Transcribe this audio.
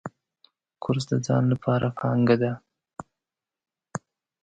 کورس د ځان لپاره پانګه ده.